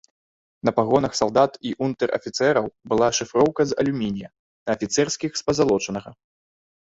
На пагонах салдат і ўнтэр-афіцэраў была шыфроўка з алюмінія, на афіцэрскіх з пазалочанага.